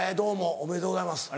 ありがとうございます。